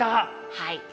はい。